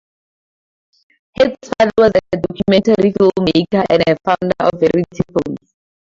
Head's father was a documentary filmmaker and a founder of Verity Films.